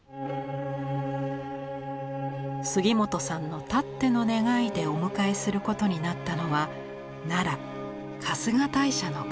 杉本さんのたっての願いでお迎えすることになったのは奈良春日大社の神。